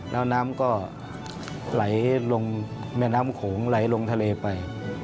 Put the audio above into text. แล้วน้ำก็ไหลลงแม่น้ำโขงไหลลงทะเลไป